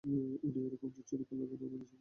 উনি এরকম জোচ্চুরি করল কেন আমাদের সাথে?